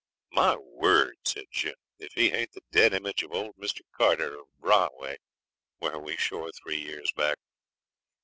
'My word,' said Jim, 'if he ain't the dead image of old Mr. Carter, of Brahway, where we shore three years back.